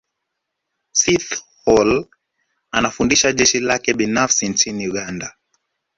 Sithole anafundisha jeshi lake binafsi nchini Uganda